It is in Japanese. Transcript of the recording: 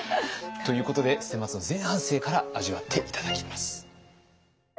ということで捨松の前半生から味わって頂きます。